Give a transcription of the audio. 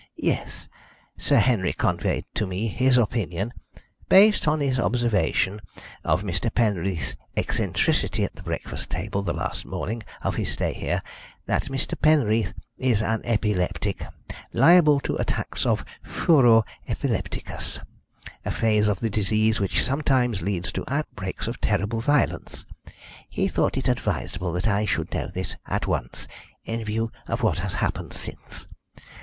"Yes. Sir Henry has conveyed to me his opinion, based on his observation of Mr. Penreath's eccentricity at the breakfast table the last morning of his stay here, that Mr. Penreath is an epileptic, liable to attacks of furor epilepticus a phase of the disease which sometimes leads to outbreaks of terrible violence. He thought it advisable that I should know this at once, in view of what has happened since.